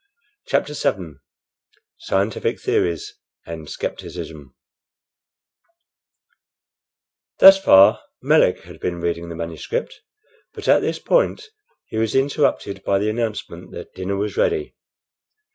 CHAPTER VII SCIENTIFIC THEORIES AND SCEPTICISM Thus far Melick had been reading the manuscript, but at this point he was interrupted by the announcement that dinner was ready.